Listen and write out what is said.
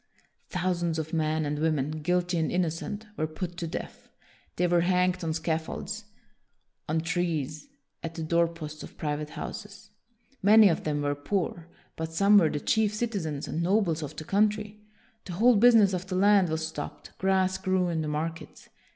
Thousands of men and women, guilty and innocent, were put to death. They were hanged on scaffolds, on 1 86 WILLIAM THE SILENT trees, at the door posts of private houses. Many of them were poor; but some were the chief citizens and nobles of the coun try. The whole business of the land was stopped; grass grew in the markets.